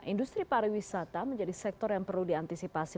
industri pariwisata menjadi sektor yang perlu diantisipasi